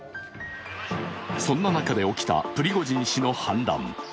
そんな中で起きたプリゴジン氏の反乱。